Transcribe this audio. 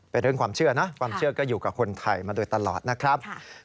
เป็นเรื่องความเชื่อนะความเชื่อก็อยู่กับคนไทยมาโดยตลอดนะครับ